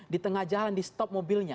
di tengah jalan di stop mobilnya